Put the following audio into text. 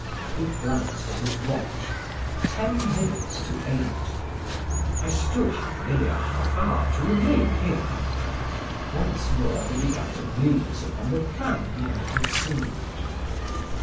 He glanced at his watch: ten minutes to eight. "I still have nearly a half hour to remain here." Once more, he began to muse upon the plan he had conceived.